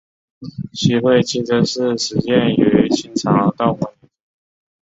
西会清真寺始建于清朝道光年间。